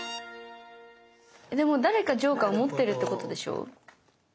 でも誰かジョーカーを持ってるってことでしょ？